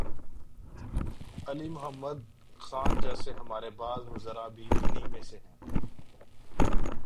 علی محمد خان جیسے ہمارے بعض وزرا بھی انہی میں سے ہیں۔